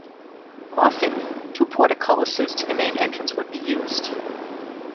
Often, two portcullises to the main entrance would be used.